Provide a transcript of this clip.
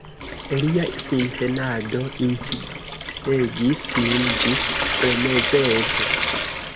Lia sintenado incitegis min ĝis frenezeco.